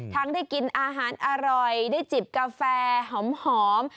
ได้กินอาหารอร่อยได้จิบกาแฟหอม